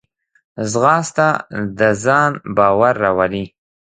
ځغاسته د ځان باور راولي